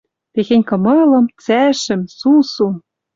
Техень кымылым, цӓшӹм, сусум